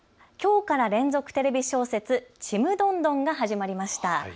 きょうから連続テレビ小説、ちむどんどんが始まりました。